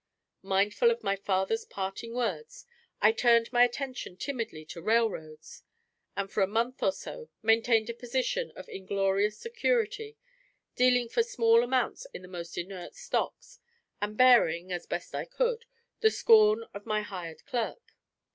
Mindful of my father's parting words, I turned my attention timidly to railroads; and for a month or so maintained a position of inglorious security, dealing for small amounts in the most inert stocks, and bearing (as best I could) the scorn of my hired clerk.